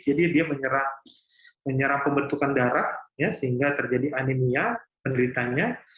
jadi dia menyerang pembentukan darah sehingga terjadi anemia penderitanya